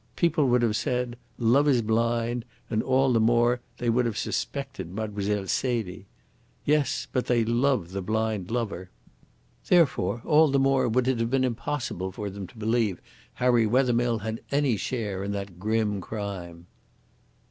People would have said, 'Love is blind,' and all the more they would have suspected Mile. Celie. Yes, but they love the blind lover. Therefore all the more would it have been impossible for them to believe Harry Wethermill had any share in that grim crime."